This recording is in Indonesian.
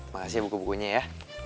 makasih ya buku bukunya ya